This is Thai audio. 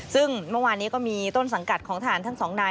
ซึ่งเมื่อวานนี้ก็มีต้นสังกัดของทหารทั้งสองนาย